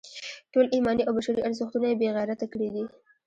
ټول ایماني او بشري ارزښتونه یې بې غیرته کړي دي.